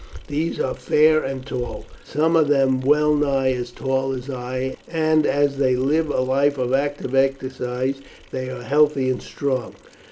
These are fair and tall, some of them well nigh as tall as I, and as they live a life of active exercise, they are healthy and strong."